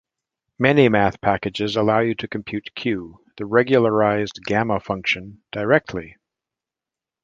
Many math packages allow you to compute Q, the regularized gamma function, directly.